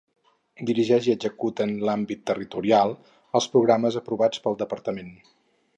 Dirigeix i executa en l'àmbit territorial els programes aprovats pel Departament.